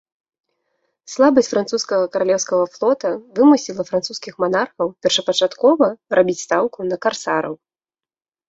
Слабасць французскага каралеўскага флота вымусіла французскіх манархаў першапачаткова рабіць стаўку на карсараў.